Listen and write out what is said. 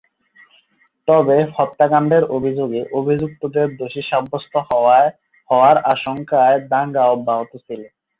তবে, হত্যাকাণ্ডের অভিযোগে অভিযুক্তদের দোষী সাব্যস্ত হওয়ার আশঙ্কায় দাঙ্গা অব্যাহত ছিল।